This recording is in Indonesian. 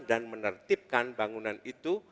dan menertibkan bangunan itu